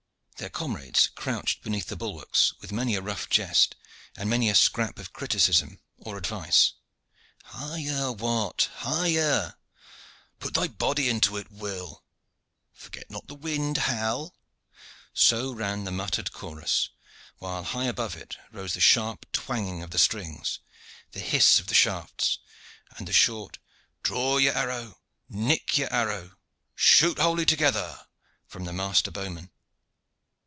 Their comrades crouched beneath the bulwarks, with many a rough jest and many a scrap of criticism or advice. "Higher, Wat, higher!" "Put thy body into it, Will!" "Forget not the wind, Hal!" So ran the muttered chorus, while high above it rose the sharp twanging of the strings, the hiss of the shafts, and the short "Draw your arrow! Nick your arrow! Shoot wholly together!" from the master bowman.